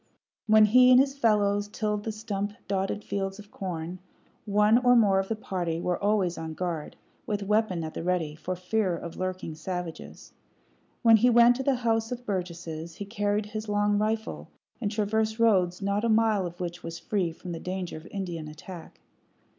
When he and his fellows tilled the stump dotted fields of corn, one or more of the party were always on guard, with weapon at the ready, for fear of lurking savages. When he went to the House of Burgesses he carried his long rifle, and traversed roads not a mile of which was free from the danger of Indian attack.